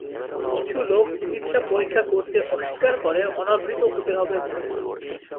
কিছু লোক চিকিৎসা পরীক্ষা করতে অস্বীকার করে অনাবৃত হতে হবে বলে।